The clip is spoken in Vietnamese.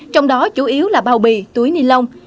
trong đó chủ yếu là bao bì túi ni lông